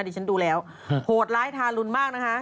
ดิฉันดูแล้วโหดร้ายทารุณมากนะคะ